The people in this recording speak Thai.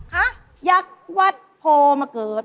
ฮะยักษ์วัดโพมาเกิด